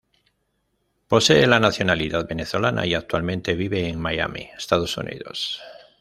Posee la nacionalidad venezolana, y actualmente vive en Miami, Estados Unidos.